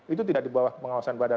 itu tidak di bawah pengawasan badan